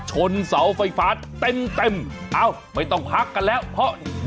ฉลาดเสาน้ำเสล็นไฟฟ้าเต็ม